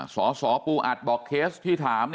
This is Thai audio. สสปูอัดบอกเคสที่ถาม